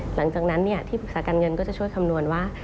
หลังจากนั้นที่ปรึกษาการเงินก็จะช่วยคำนวณว่า